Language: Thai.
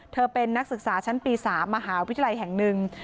เป็นนักศึกษาชั้นปี๓มหาวิทยาลัยแห่งหนึ่ง